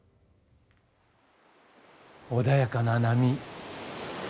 穏やかな波。